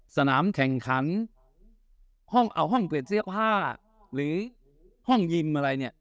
สนามแข่งขันห้องเอาห้องเปลี่ยนเสื้อผ้าหรือห้องยิมอะไรเนี่ย